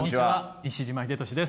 西島秀俊です。